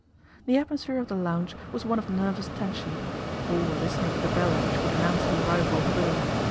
The atmosphere of the lounge was one of nervous tension. All were listening for the bell whicl would announce the arrival of Bowen.